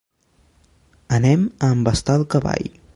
Anem a embastar el cavall.